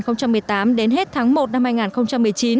năm hai nghìn một mươi tám đến hết tháng một năm hai nghìn một mươi chín